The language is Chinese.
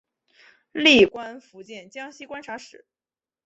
历官福建江西观察使。